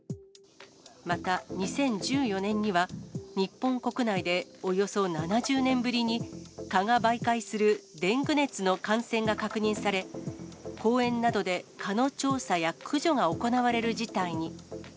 また２０１４年には、日本国内でおよそ７０年ぶりに蚊が媒介するデング熱の感染が確認され、公園などで蚊の調査や駆除が行われる事態に。